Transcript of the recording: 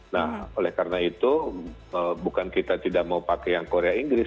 nah oleh karena itu bukan kita tidak mau pakai yang korea inggris